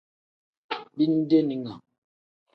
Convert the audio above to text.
Bindeninga.